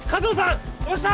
どうした？